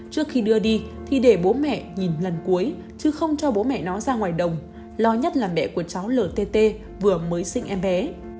trước khi đưa đi thì để bố mẹ nhìn lần cuối chứ không cho bố mẹ nó ra ngoài đồng lo nhất là mẹ của cháu lt vừa mới sinh em bé